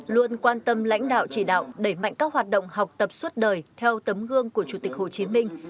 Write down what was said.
luôn quan tâm lãnh đạo chỉ đạo đẩy mạnh các hoạt động học tập suốt đời theo tấm gương của chủ tịch hồ chí minh